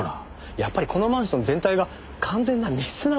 やっぱりこのマンション全体が完全な密室なんですよ。